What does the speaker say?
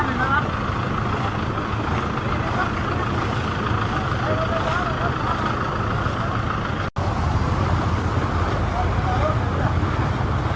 มาได้มากมาได้มาก